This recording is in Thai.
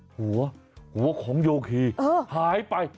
หัวหัวของโยคีหายไป